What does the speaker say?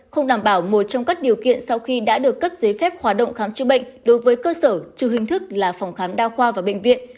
không đảm bảo một trong các điều kiện sau khi đã được cấp giấy phép hoạt động khám chữa bệnh đối với cơ sở trừ hình thức là phòng khám đa khoa và bệnh viện